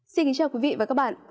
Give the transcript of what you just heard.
xin kính chào quý vị và các bạn